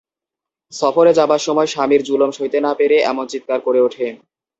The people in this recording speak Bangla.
সফরে যাবার সময় স্বামীর যুলম সইতে না পেরে এমন চিৎকার করে ওঠে।